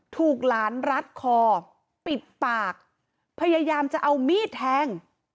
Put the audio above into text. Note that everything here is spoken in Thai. ถูกหลานรัดคอปิดปากพยายามจะเอามีดแทง